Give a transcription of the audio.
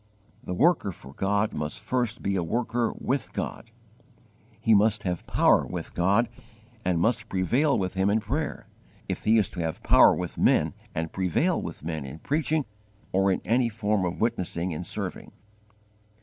The worker for God must first be a worker with God: he must have power with God and must prevail with Him in prayer, if he is to have power with men and prevail with men in preaching or in any form of witnessing and serving.